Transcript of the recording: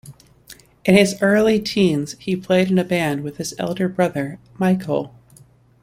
In his early teens, he played in a band with his elder brother, Michael.